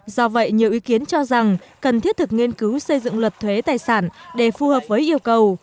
do vậy nhiều ý kiến cho rằng cần thiết thực nghiên cứu xây dựng luật thuế tài sản để phù hợp với yêu cầu